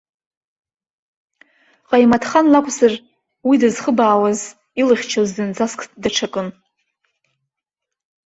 Ҟаимаҭхан лакәзар, уи дызхыбаауаз, илыхьчоз зынӡаск даҽакын.